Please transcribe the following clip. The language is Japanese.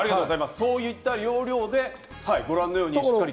そういった要領でご覧のようにしっかりと。